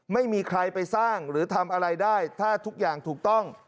ไม่มีใครไปสร้างหรือทำอะไรได้ถ้าทุกอย่างถูกต้อง